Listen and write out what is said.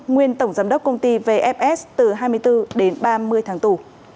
nguyên tổng giám đốc công ty vfs từ hai mươi bốn đến ba mươi tháng tù